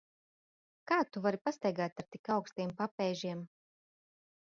Kā Tu vari pastaigāt ar tik augstiem papēžiem?